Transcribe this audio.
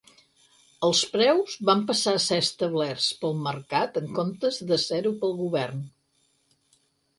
Els preus van passar a ser establerts pel mercat, en comptes de ser-ho pel Govern.